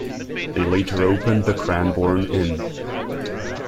They later opened the Cranbourne Inn.